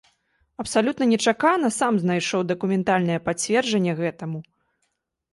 Абсалютна нечакана сам знайшоў дакументальнае пацверджанне гэтаму.